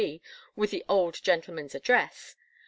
D., with the old gentleman's address.